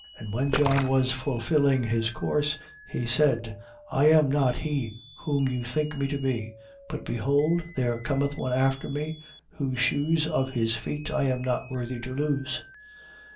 13:25. And when John was fulfilling his course, he said: I am not he whom you think me to be. But behold, there cometh one after me, whose shoes of his feet I am not worthy to loose.